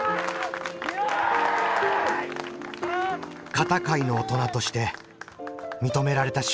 片貝の大人として認められた瞬間だ。